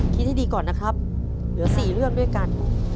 คิดให้ดีก่อนนะครับเหลือ๔เรื่องด้วยกัน